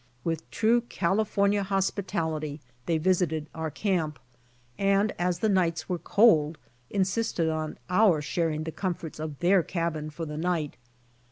With true California hospitality they visited our camlp, and as the nights were cold insisted on our sharing the comforts of their cabin for the night.